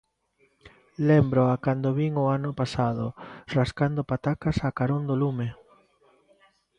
Lémbroa cando vin o ano pasado, rascando patacas a carón do lume.